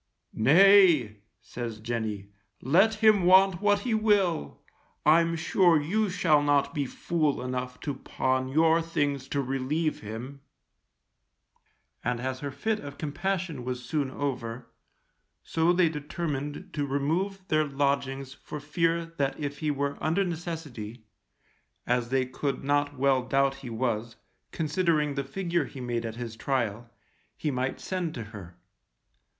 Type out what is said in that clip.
Nay, says Jenny, let him want what he will, I'm sure you shall not be fool enough to pawn your things to relieve him; and as her fit of compassion was soon over, so they determined to remove their lodgings for fear that if he were under necessity, as they could not well doubt he was, considering the figure he made at his trial, he might send to her.